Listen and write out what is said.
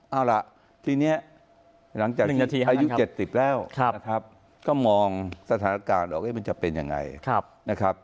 เอาล่ะทีนี้หลังจากที่อายุ๗๐แล้วนะครับก็มองสถานการณ์ว่ามันจะเป็นยังไงนะครับ